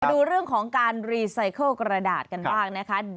ดูเรื่องของการรีไซเคิลกระดาษกันบ้างนะคะ